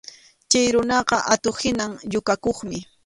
Chay runaqa atuq-hina yukakuqmi.